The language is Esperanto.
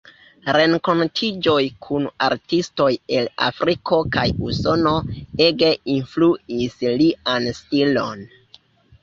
Renkontiĝoj kun artistoj el Afriko kaj Usono ege influis lian stilon.